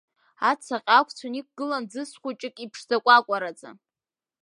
Ацаҟьа ақәцәан иқәгылан ӡыс хәыҷык иԥшӡаҟәаҟәараӡа.